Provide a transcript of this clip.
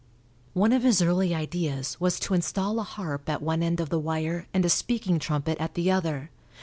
One of his early ideas was to install a harp at one end of the wire and a speaking trumpet at the other.